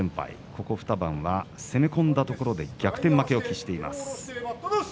ここ２番は攻め込んだところで逆転負けを喫しています。